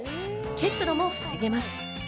結露も防げます。